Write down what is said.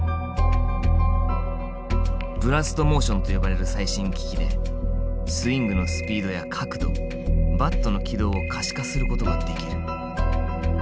ブラストモーションと呼ばれる最新機器でスイングのスピードや角度バットの軌道を可視化することができる。